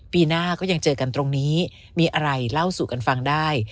ปีหน้าก็ยังเจอกันตรงนี้มีอะไรเล่าสู่กันฟังได้